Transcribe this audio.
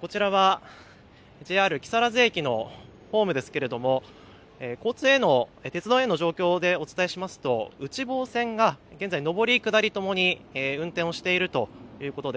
こちらは、ＪＲ木更津駅のホームですが、鉄道への影響でお伝えしますと内房線が現在上り、下り共に運転をしているということです。